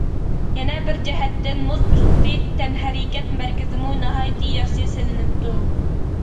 يەنە بىر جەھەتتىن، مۇز ئۈستى تەنھەرىكەت مەركىزىمۇ ناھايىتى ياخشى سېلىنىپتۇ.